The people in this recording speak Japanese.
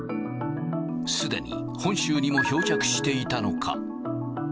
すでに本州にも漂着していたのか。